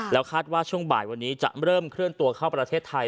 แล้วคาดว่าช่วงบ่ายวันนี้จะเริ่มเคลื่อนตัวเข้าประเทศไทย